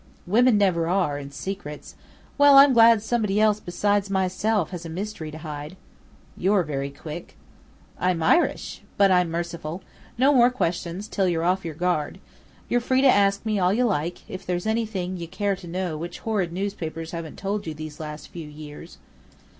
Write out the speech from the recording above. "Women never are, in secrets. Well, I'm glad somebody else besides myself has a mystery to hide." "You're very quick." "I'm Irish! But I'm merciful. No more questions till you're off your guard. You're free to ask me all you like, if there's anything you care to know which horrid newspapers haven't told you these last few years."